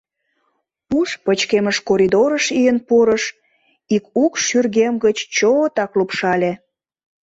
Пуш пычкемыш коридорыш ийын пурыш; ик укш шӱргем гыч чотак лупшале.